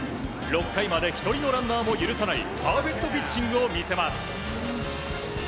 ６回まで１人のランナーも許さないパーフェクトピッチングを見せます。